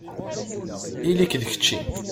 Ili-k d kečči.